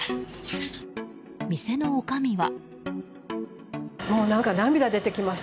店のおかみは。